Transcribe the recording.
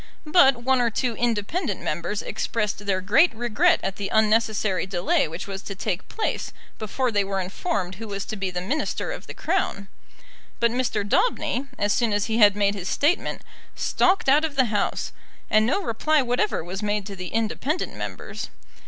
But one or two independent Members expressed their great regret at the unnecessary delay which was to take place before they were informed who was to be the Minister of the Crown. But Mr. Daubeny, as soon as he had made his statement, stalked out of the House, and no reply whatever was made to the independent Members.